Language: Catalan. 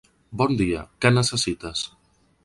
Bon dia, què necessites?